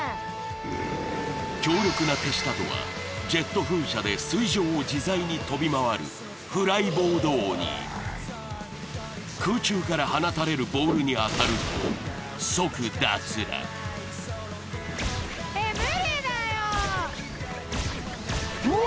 強力な手下とはジェット噴射で水上を自在に飛び回るフライボード鬼空中から放たれるボールに当たると即脱落えっ無理だようわ